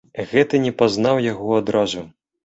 Гэты не пазнаў яго адразу.